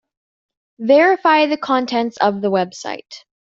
Verify the contents of the website.